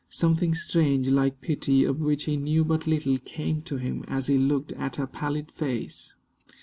Something strange, like pity, of which he knew but little, came to him as he looked at her pallid face.